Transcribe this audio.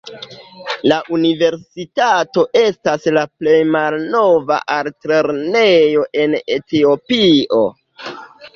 La universitato estas la plej malnova altlernejo en Etiopio.